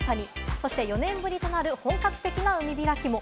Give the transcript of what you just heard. そして４年ぶりとなる本格的な海開きも。